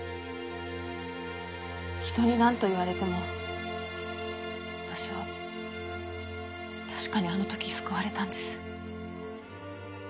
人になんと言われても私は確かにあの時救われたんです。